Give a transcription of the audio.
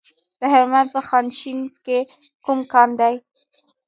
د هلمند په خانشین کې کوم کان دی؟